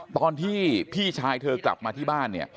ตอนที่พี่ชายเธอกลับมาที่บ้านเนี่ย